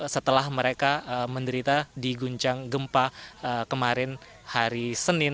setelah mereka menderita di guncang gempa kemarin hari senin